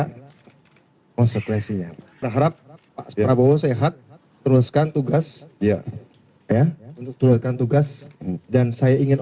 konsekuensinya berharap biasaido sehat teruskan tugas dia untuk menjaga tugasan dan saya ingin